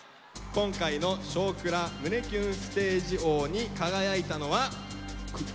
今回の「少クラ胸キュンステージ」王に輝いたのは。